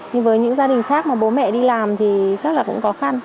nhưng với những gia đình khác mà bố mẹ đi làm thì chắc là cũng khó khăn